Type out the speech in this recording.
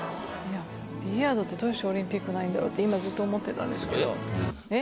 ビリヤードってどうしてオリンピックないんだろうって今ずっと思ってたんですけどえっ？